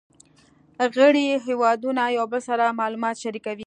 غړي هیوادونه یو بل سره معلومات شریکوي